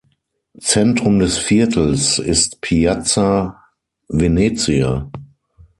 Zentrum des Viertels ist Piazza Venezia.